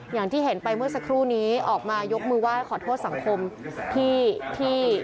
อย่างที่เห็นไปเมื่อสักครู่นี้ออกมายกมือไหว้ขอโทษสังคมที่